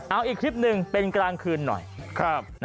เอาอีกคลิปหนึ่งเป็นกลางคืนหน่อย